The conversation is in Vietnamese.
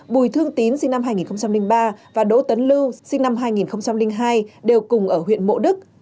hai nghìn sáu bùi thương tín sinh năm hai nghìn ba và đỗ tấn lưu sinh năm hai nghìn hai đều cùng ở huyện mộ đức